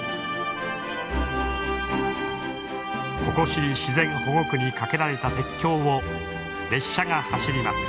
ココシリ自然保護区に架けられた鉄橋を列車が走ります。